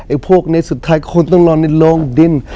ไอ้พวกเนี่ยสุดท้ายคงต้องรอในโรงดิน